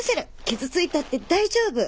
傷ついたって大丈夫。